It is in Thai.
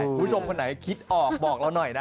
คุณผู้ชมคนไหนคิดออกบอกเราหน่อยนะ